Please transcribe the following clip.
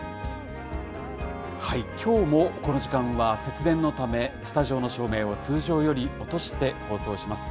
きょうもこの時間は節電のため、スタジオの照明を通常より落として放送します。